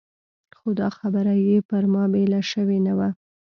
خو دا خبره یې پر ما بېله شوې نه وه.